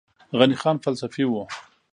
غني خان فلسفي و